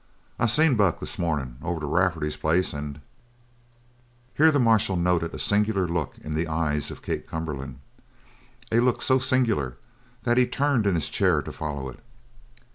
I seen Buck this morning over to Rafferty's place, and " Here the marshal noted a singular look in the eyes of Kate Cumberland, a look so singular that he turned in his chair to follow it.